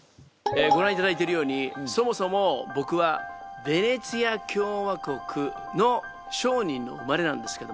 ごらんいただいてるようにそもそも僕はベネチア共和国の商人の生まれなんですけども。